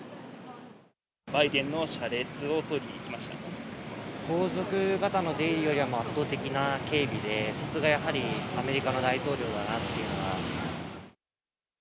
バイデンの車列を撮りに来ま皇族方の出入りより圧倒的な警備で、さすがやはりアメリカの大統領だなっていうのは。